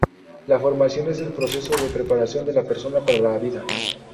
La formación es el proceso de preparación de la persona para la vida.